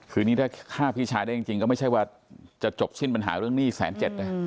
คือนี่ถ้าฆ่าพี่ชายได้จริงก็ไม่ใช่ว่าจะจบสิ้นปัญหาเรื่องหนี้แสนเจ็ดนะ